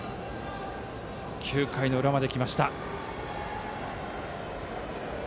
９回の裏まできました。